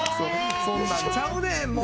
そんなんちゃうねんもう！